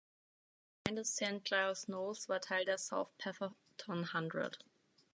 Die Gemeinde Saint Giles Knowles war Teil der South Petherton Hundred.